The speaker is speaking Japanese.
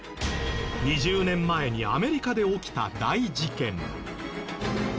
２０年前にアメリカで起きた大事件。